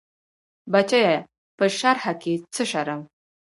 بچيه په شرع کې څه شرم.